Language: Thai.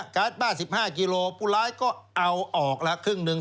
การ์ดบ้า๑๕กิโลผู้ร้ายก็เอาออกละครึ่งหนึ่ง